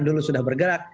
dulu sudah bergerak